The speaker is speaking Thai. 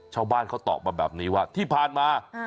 ชาวบ้านเขาตอบมาแบบนี้ว่าที่ผ่านมา